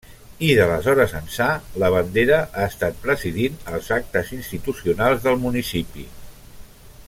I d'aleshores ençà la bandera ha estat presidint els actes institucionals del municipi.